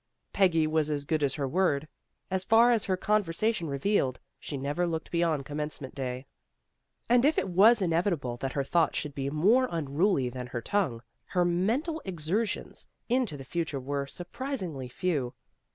Peggy was as. good as her word. As far as her conversation revealed, she never looked beyond Commencement Day. And if it was in evitable that her thoughts should be more un ruly than her tongue, her mental excursions into the future were surprisingly few.